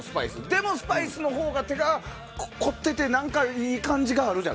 でもスパイスのほうが手が込んでいていい感じがあると。